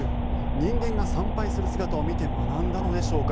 人間が参拝する姿を見て学んだのでしょうか。